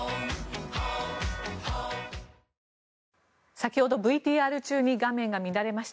先ほどＶＴＲ中に画面が乱れました。